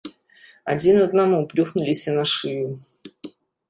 Адзін аднаму плюхнуліся на шыю.